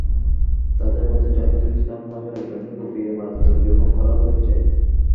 তাঁদের মধ্যে জাহিদুল ইসলাম নামের একজনকে কুপিয়ে মারাত্মক জখম করা হয়েছে।